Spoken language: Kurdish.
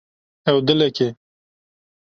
Ew dilek e.